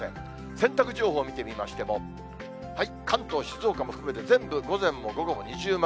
洗濯情報、見てみましても、関東、静岡も含めて全部、午前も午後も二重丸。